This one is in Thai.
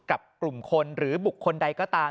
กับกลุ่มคนหรือบุคคลใดก็ตาม